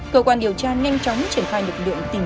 cơ quan điều tra nhanh chóng triển khai lực lượng tìm